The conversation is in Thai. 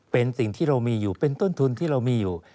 เป็นสิ่งที่เรามีอยู่เป็นต้นทุนที่เรามีอยู่